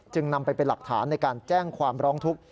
นำไปเป็นหลักฐานในการแจ้งความร้องทุกข์